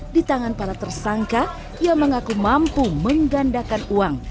di tangan para tersangka ia mengaku mampu menggandakan uang